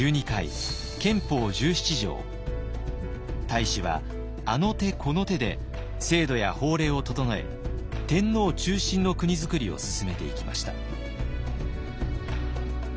太子はあの手この手で制度や法令を整え天皇中心の国づくりを進めていきました。